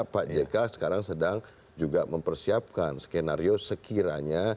pak jk sekarang sedang juga mempersiapkan skenario sekiranya